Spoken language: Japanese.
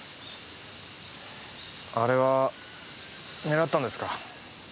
あれは狙ったんですか？